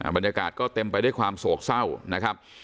บรรยากาศก็เต็มไปด้วยความโศกเศร้านะครับ